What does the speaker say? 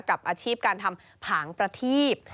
กับอาชีพการทำผางประทีบ